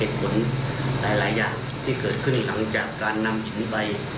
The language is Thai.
หลายอย่างที่เกิดขึ้นหลังจากการนำหินไป